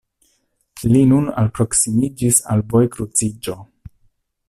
li nun alproksimiĝis al vojkruciĝo.